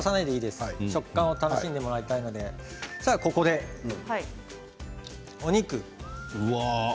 食感を楽しんでもらいたいのでここでお肉。